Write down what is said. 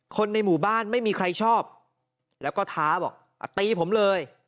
คนในหมู่บ้านไม่มีใครชอบแล้วก็ท้าบอกตีผมเลย